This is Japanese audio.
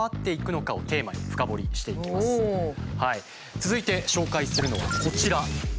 続いて紹介するのはこちら。